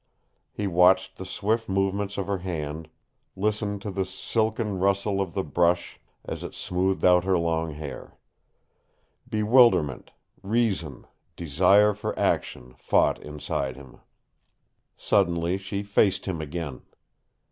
He watched the swift movements of her hand, listened to the silken rustle of the brush as it smoothed out her long hair. Bewilderment, reason, desire for action fought inside him. Suddenly she faced him again.